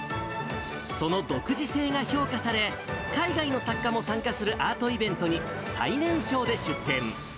その独自性が評価され、海外の作家も参加するアートイベントに、最年少で出展。